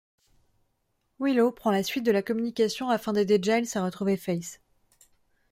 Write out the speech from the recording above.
Willow prend la suite de la communication afin d'aider Giles à retrouver Faith.